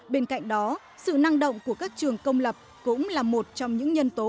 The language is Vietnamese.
bên cạnh đó sự năng động của các trường công lập cũng là một trong những nhân tố